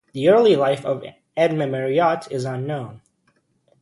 The early life of Edme Mariotte is unknown.